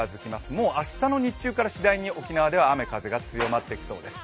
もう明日の日中からしだいに沖縄では雨風が強まってきそうです。